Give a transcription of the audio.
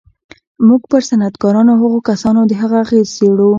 موږ پر صنعتکارانو او هغو کسانو د هغه اغېز څېړو